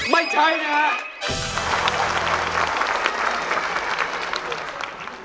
ไม่ใช้มั้ยครับ